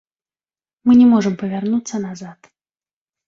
Мы не можам павярнуцца назад.